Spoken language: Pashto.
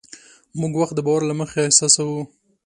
موږ وخت د باور له مخې احساسوو.